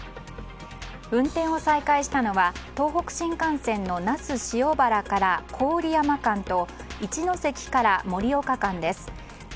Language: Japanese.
運転を再開したのは東北新幹線の那須塩原から郡山間と一ノ関から盛岡間です。